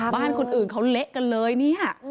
บ้านคนอื่นเขาเละกันเลยเนี่ย